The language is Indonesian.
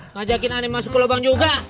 ngajakin aneh masuk ke lobang juga